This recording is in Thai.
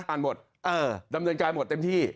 หมดดำเนินการหมดเต็มที่